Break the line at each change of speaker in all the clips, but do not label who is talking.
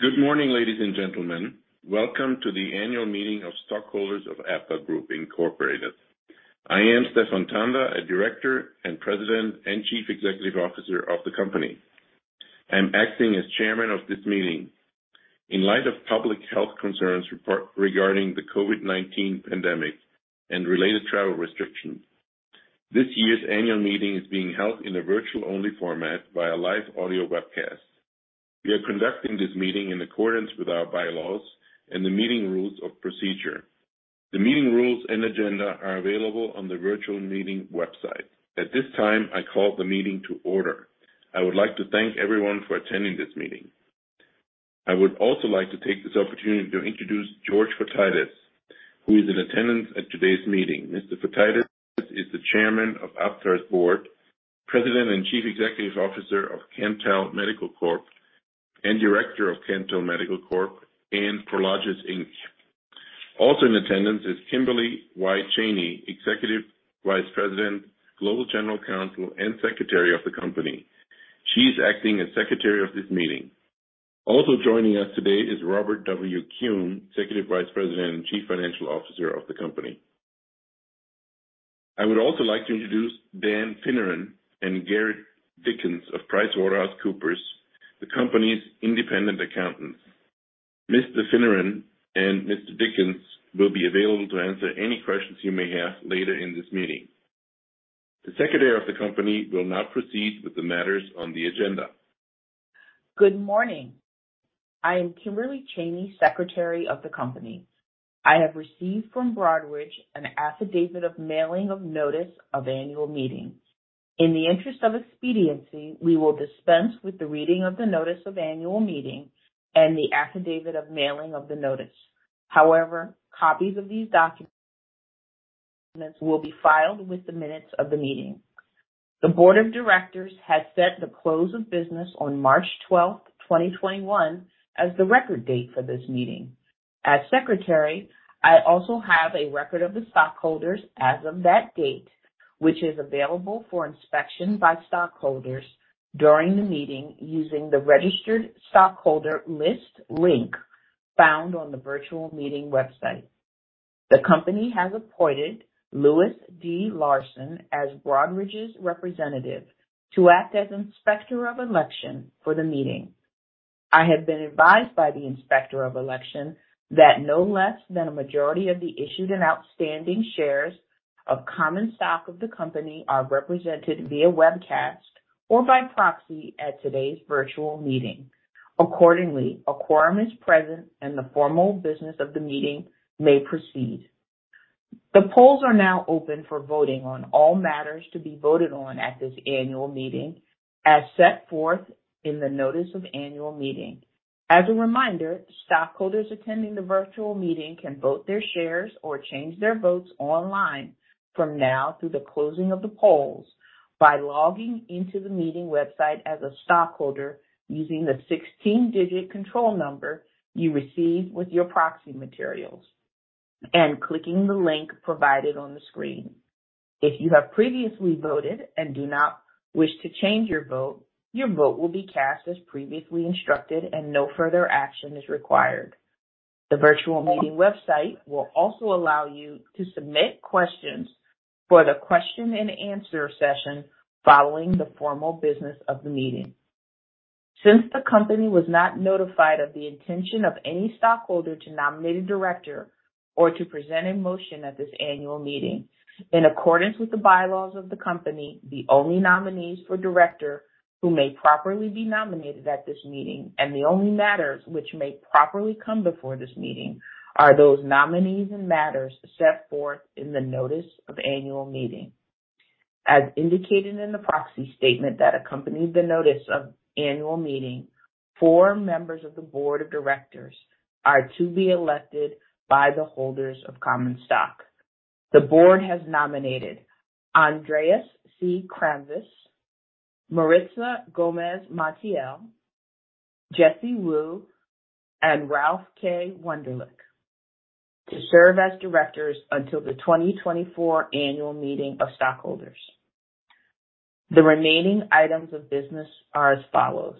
Good morning, ladies and gentlemen. Welcome to the annual meeting of stockholders of AptarGroup, Inc. I am Stephan Tanda, a Director and President and Chief Executive Officer of the company. I'm acting as Chairman of this meeting. In light of public health concerns regarding the COVID-19 pandemic and related travel restrictions, this year's annual meeting is being held in a virtual-only format via live audio webcast. We are conducting this meeting in accordance with our bylaws and the meeting rules of procedure. The meeting rules and agenda are available on the virtual meeting website. At this time, I call the meeting to order. I would like to thank everyone for attending this meeting. I would also like to take this opportunity to introduce George Fotiades, who is in attendance at today's meeting. Mr. Fotiades is the Chairman of Aptar's Board, President and Chief Executive Officer of Cantel Medical Corp., and Director of Cantel Medical Corp. and Prologis, Inc. Also in attendance is Kimberly Y. Chainey, Executive Vice President, Global General Counsel, and Secretary of the company. She is acting as Secretary of this meeting. Also joining us today is Robert W. Kuhn, Executive Vice President and Chief Financial Officer of the company. I would also like to introduce Dan Finneran and Garrett Dickens of PricewaterhouseCoopers, the company's independent accountants. Mr. Finneran and Mr. Dickens will be available to answer any questions you may have later in this meeting. The Secretary of the company will now proceed with the matters on the agenda.
Good morning. I am Kimberly Y. Chainey, Secretary of the company. I have received from Broadridge an affidavit of mailing of notice of annual meeting. In the interest of expediency, we will dispense with the reading of the notice of annual meeting and the affidavit of mailing of the notice. However, copies of these documents will be filed with the minutes of the meeting. The board of directors has set the close of business on March 12, 2021, as the record date for this meeting. As Secretary, I also have a record of the stockholders as of that date, which is available for inspection by stockholders during the meeting using the registered stockholder list link found on the virtual meeting website. The company has appointed Lewis Larson as Broadridge's representative to act as Inspector of Election for the meeting. I have been advised by the Inspector of Election that no less than a majority of the issued and outstanding shares of common stock of the company are represented via webcast or by proxy at today's virtual meeting. Accordingly, a quorum is present, and the formal business of the meeting may proceed. The polls are now open for voting on all matters to be voted on at this annual meeting as set forth in the notice of annual meeting. As a reminder, stockholders attending the virtual meeting can vote their shares or change their votes online from now through the closing of the polls by logging into the meeting website as a stockholder using the 16-digit control number you received with your proxy materials and clicking the link provided on the screen. If you have previously voted and do not wish to change your vote, your vote will be cast as previously instructed and no further action is required. The virtual meeting website will also allow you to submit questions for the question and answer session following the formal business of the meeting. Since the company was not notified of the intention of any stockholder to nominate a director or to present a motion at this annual meeting, in accordance with the bylaws of the company, the only nominees for director who may properly be nominated at this meeting and the only matters which may properly come before this meeting are those nominees and matters set forth in the notice of annual meeting. As indicated in the proxy statement that accompanied the notice of annual meeting, four members of the board of directors are to be elected by the holders of common stock. The board has nominated Andreas C. Kramvis, Maritza Gomez-Montiel, Jesse Wu, and Ralf K. Wunderlich to serve as directors until the 2024 annual meeting of stockholders. The remaining items of business are as follows.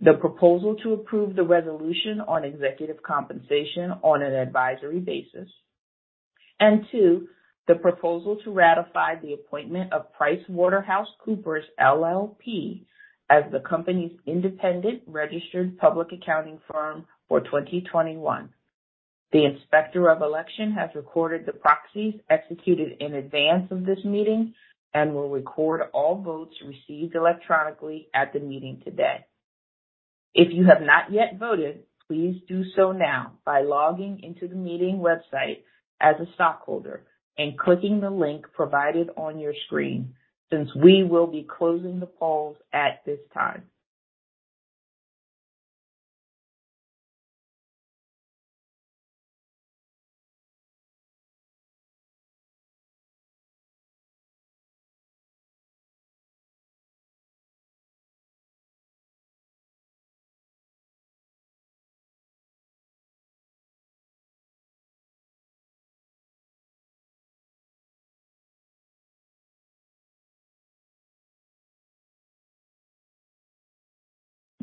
The proposal to approve the resolution on executive compensation on an advisory basis. Two, the proposal to ratify the appointment of PricewaterhouseCoopers LLP as the company's independent registered public accounting firm for 2021. The Inspector of Election has recorded the proxies executed in advance of this meeting and will record all votes received electronically at the meeting today. If you have not yet voted, please do so now by logging into the meeting website as a stockholder and clicking the link provided on your screen since we will be closing the polls at this time.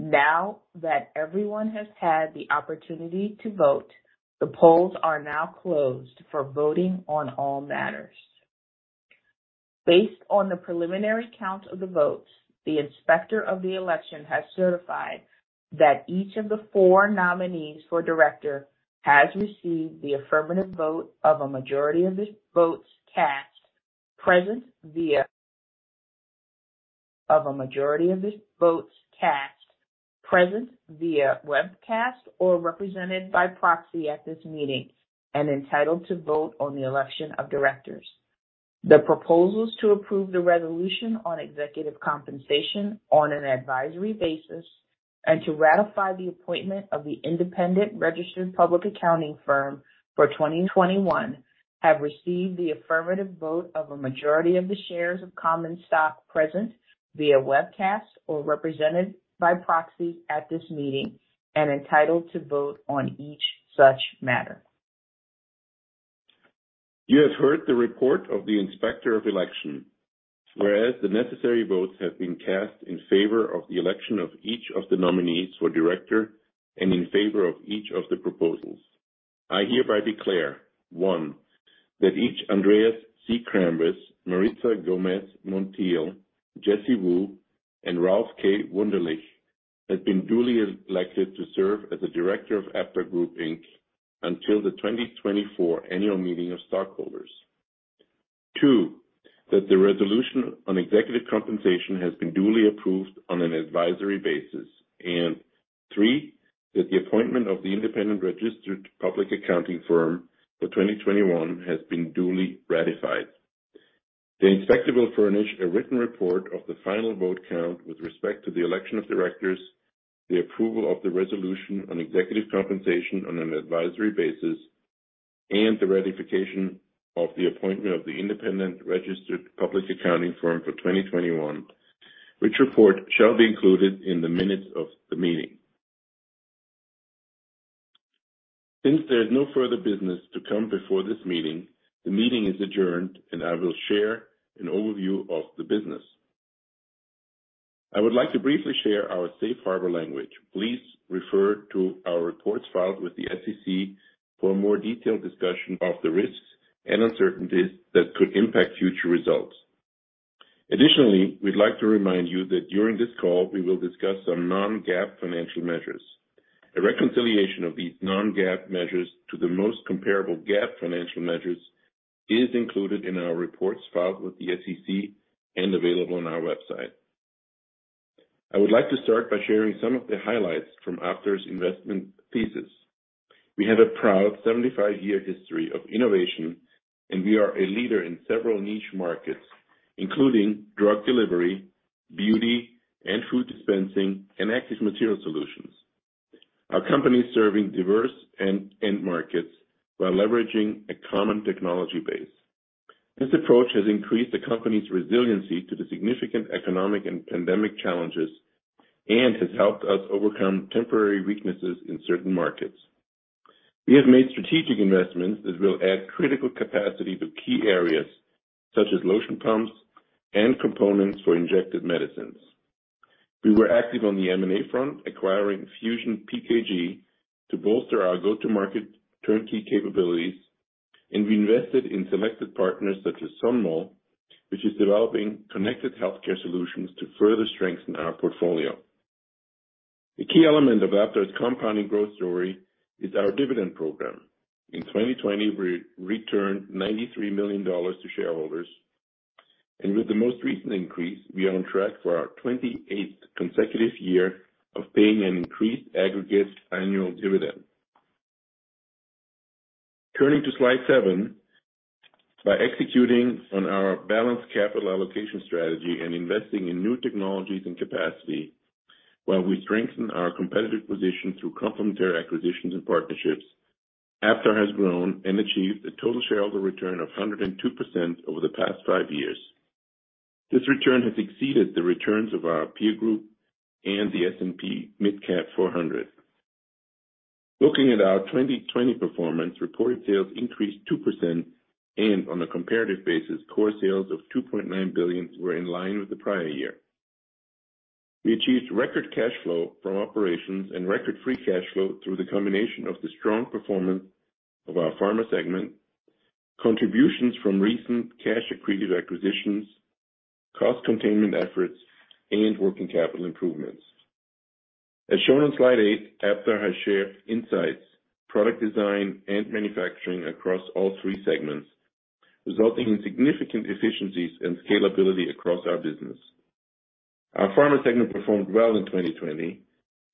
Now that everyone has had the opportunity to vote, the polls are now closed for voting on all matters. Based on the preliminary count of the votes, the Inspector of the Election has certified that each of the four nominees for director has received the affirmative vote of a majority of the votes cast present via webcast, or represented by proxy at this meeting, and entitled to vote on the election of directors. The proposals to approve the resolution on executive compensation on an advisory basis, and to ratify the appointment of the independent registered public accounting firm for 2021 have received the affirmative vote of a majority of the shares of common stock present via webcast or represented by proxy at this meeting and entitled to vote on each such matter.
You have heard the report of the Inspector of Election. Whereas the necessary votes have been cast in favor of the election of each of the nominees for director, and in favor of each of the proposals, I hereby declare, one, that each, Andreas C. Kramvis, Maritza Gomez-Montiel, Jesse Wu, and Ralf K. Wunderlich, has been duly elected to serve as a director of AptarGroup, Inc. until the 2024 annual meeting of stockholders. Two, that the resolution on executive compensation has been duly approved on an advisory basis. Three, that the appointment of the independent registered public accounting firm for 2021 has been duly ratified. The inspector will furnish a written report of the final vote count with respect to the election of directors, the approval of the resolution on executive compensation on an advisory basis, and the ratification of the appointment of the independent registered public accounting firm for 2021, which report shall be included in the minutes of the meeting. Since there's no further business to come before this meeting, the meeting is adjourned, and I will share an overview of the business. I would like to briefly share our safe harbor language. Please refer to our reports filed with the SEC for a more detailed discussion of the risks and uncertainties that could impact future results. Additionally, we'd like to remind you that during this call, we will discuss some non-GAAP financial measures. A reconciliation of these non-GAAP measures to the most comparable GAAP financial measures is included in our reports filed with the SEC and available on our website. I would like to start by sharing some of the highlights from Aptar's investment thesis. We have a proud 75-year history of innovation, and we are a leader in several niche markets, including drug delivery, beauty and food dispensing, and active material solutions. Our company is serving diverse end markets while leveraging a common technology base. This approach has increased the company's resiliency to the significant economic and pandemic challenges and has helped us overcome temporary weaknesses in certain markets. We have made strategic investments that will add critical capacity to key areas such as lotion pumps and components for injected medicines. We were active on the M&A front, acquiring FusionPKG to bolster our go-to-market turnkey capabilities, and we invested in selected partners such as Sonmol, which is developing connected healthcare solutions to further strengthen our portfolio. A key element of Aptar's compounding growth story is our dividend program. In 2020, we returned $93 million to shareholders, and with the most recent increase, we are on track for our 28th consecutive year of paying an increased aggregate annual dividend. Turning to slide seven. By executing on our balanced capital allocation strategy and investing in new technologies and capacity, while we strengthen our competitive position through complementary acquisitions and partnerships, Aptar has grown and achieved a total shareholder return of 102% over the past five years. This return has exceeded the returns of our peer group and the S&P MidCap 400. Looking at our 2020 performance, reported sales increased 2% and on a comparative basis, core sales of $2.9 billion were in line with the prior year. We achieved record cash flow from operations and record free cash flow through the combination of the strong performance of our Pharma segment, contributions from recent cash accretive acquisitions, cost containment efforts, and working capital improvements. As shown on slide eight, Aptar has shared insights, product design, and manufacturing across all three segments, resulting in significant efficiencies and scalability across our business. Our Pharma segment performed well in 2020,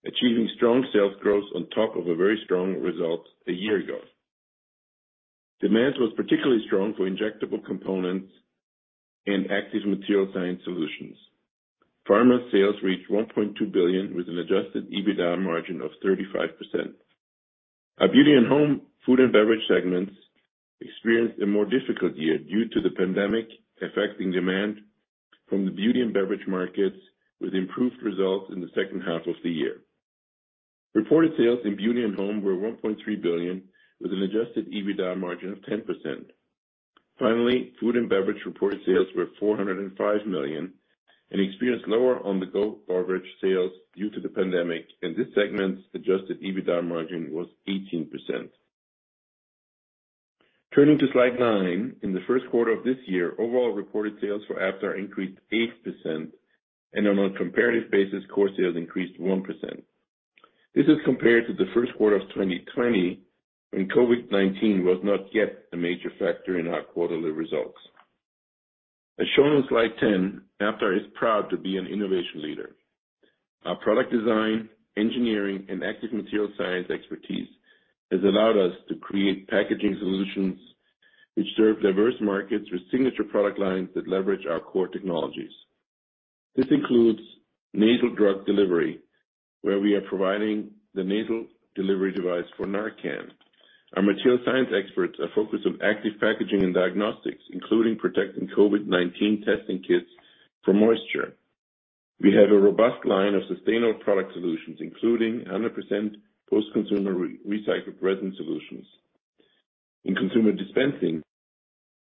achieving strong sales growth on top of a very strong result a year ago. Demand was particularly strong for injectable components and active material science solutions. Pharma sales reached $1.2 billion with an adjusted EBITDA margin of 35%. Our Beauty and Home, Food, and Beverage segments experienced a more difficult year due to the pandemic affecting demand from the beauty and beverage markets with improved results in the second half of the year. Reported sales in Beauty and Home were $1.3 billion, with an adjusted EBITDA margin of 10%. Finally, Food and Beverage reported sales were $405 million and experienced lower on-the-go beverage sales due to the pandemic, and this segment's adjusted EBITDA margin was 18%. Turning to slide nine. In the first quarter of this year, overall reported sales for Aptar increased 8%, and on a comparative basis, core sales increased 1%. This is compared to the first quarter of 2020, when COVID-19 was not yet a major factor in our quarterly results. As shown on slide 10, Aptar is proud to be an innovation leader. Our product design, engineering, and active material science expertise has allowed us to create packaging solutions which serve diverse markets with signature product lines that leverage our core technologies. This includes nasal drug delivery, where we are providing the nasal delivery device for NARCAN. Our material science experts are focused on active packaging and diagnostics, including protecting COVID-19 testing kits from moisture. We have a robust line of sustainable product solutions, including 100% post-consumer recycled resin solutions. In consumer dispensing,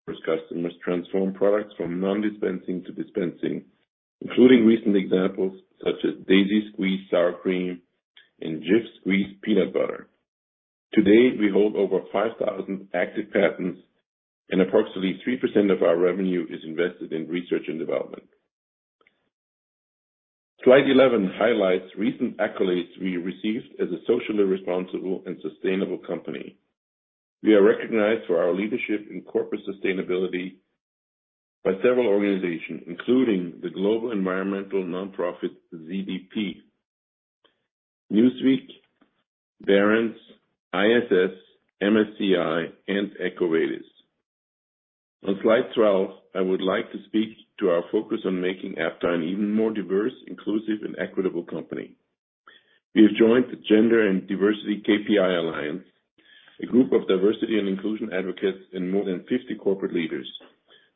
where customers transform products from non-dispensing to dispensing, including recent examples such as Daisy Squeeze Sour Cream and Jif Squeeze Peanut Butter. Today, we hold over 5,000 active patents and approximately 3% of our revenue is invested in research and development. Slide 11 highlights recent accolades we received as a socially responsible and sustainable company. We are recognized for our leadership in corporate sustainability by several organizations, including the global environmental nonprofit CDP, Newsweek, Barron's, ISS, MSCI, and EcoVadis. On slide 12, I would like to speak to our focus on making Aptar an even more diverse, inclusive, and equitable company. We have joined the Gender and Diversity KPI Alliance, a group of diversity and inclusion advocates and more than 50 corporate leaders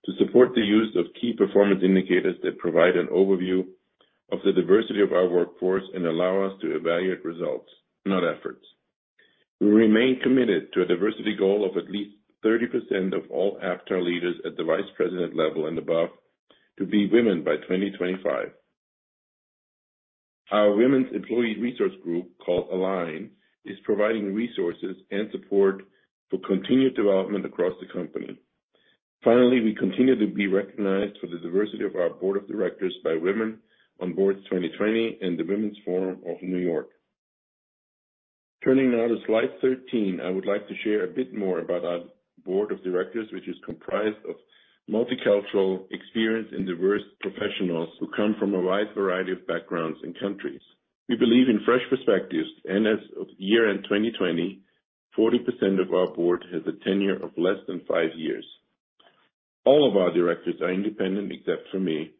to support the use of key performance indicators that provide an overview of the diversity of our workforce and allow us to evaluate results, not efforts. We remain committed to a diversity goal of at least 30% of all Aptar leaders at the vice president level and above to be women by 2025. Our women's employee resource group, called ALIGN, is providing resources and support for continued development across the company. Finally, we continue to be recognized for the diversity of our board of directors by 2020 Women on Boards and the Women's Forum of New York. Turning now to slide 13, I would like to share a bit more about our board of directors, which is comprised of multicultural, experienced, and diverse professionals who come from a wide variety of backgrounds and countries. We believe in fresh perspectives, and as of year-end 2020, 40% of our board has a tenure of less than five years. All of our directors are independent, except for me.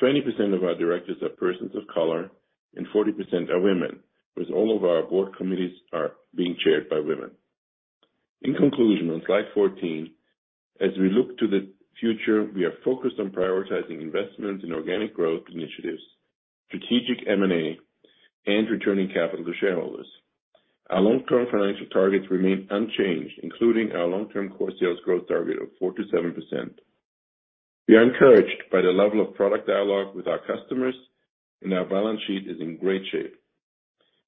20% of our directors are persons of color and 40% are women, with all of our board committees are being chaired by women. In conclusion, on slide 14, as we look to the future, we are focused on prioritizing investments in organic growth initiatives, strategic M&A, and returning capital to shareholders. Our long-term financial targets remain unchanged, including our long-term core sales growth target of 4%-7%. We are encouraged by the level of product dialogue with our customers, and our balance sheet is in great shape.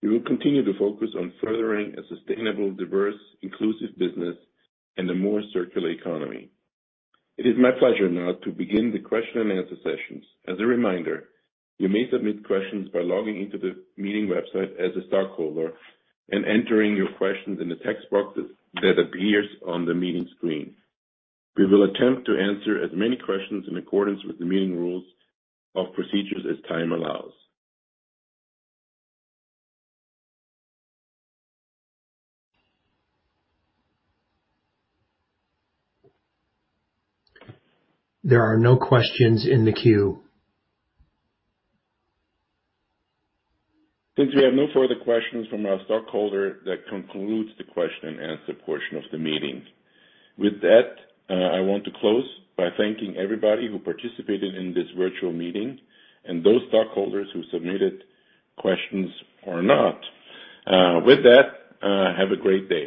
We will continue to focus on furthering a sustainable, diverse, inclusive business and a more circular economy. It is my pleasure now to begin the question and answer sessions. As a reminder, you may submit questions by logging into the meeting website as a stockholder and entering your questions in the text box that appears on the meeting screen. We will attempt to answer as many questions in accordance with the meeting rules of procedures as time allows.
There are no questions in the queue.
Since we have no further questions from our stockholders, that concludes the question and answer portion of the meeting. With that, I want to close by thanking everybody who participated in this virtual meeting and those stockholders who submitted questions or not. With that, have a great day.